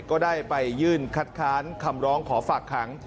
ก็ได้ไปยื่นคัดค้านคำร้องขอฝากขัง